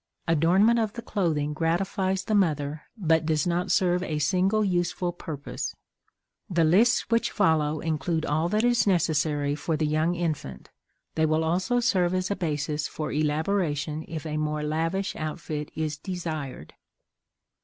Adornment of the clothing gratifies the mother, but does not serve a single useful purpose. The lists which follow include all that is necessary for the young infant; they will also serve as a basis for elaboration if a more lavish outfit is desired.